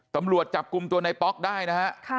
ตำรวจจับกลุ่มตัวในป๊อกได้นะฮะ